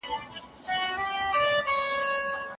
ارام ذهن تاسو ته د غوره ژوند ژمنه درکوي.